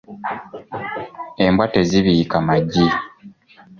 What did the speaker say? Embwa tezibiika magi.